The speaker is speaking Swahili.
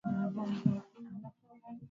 Mlima huu una nyani wengi